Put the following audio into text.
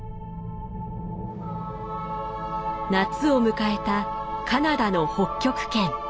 夏を迎えたカナダの北極圏。